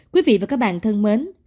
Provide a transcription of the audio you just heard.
quý vị và các bạn thân mến